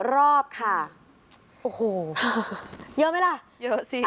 รอบค่ะโอ้โหเยอะไหมล่ะเยอะสิ